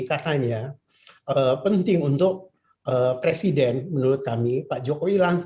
karena penting untuk presiden menurut kami pak jokowi